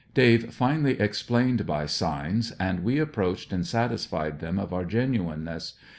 Dave finally explained by signs, and we approached and satisfied them of our genuineness.